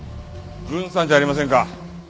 郡さんじゃありませんか。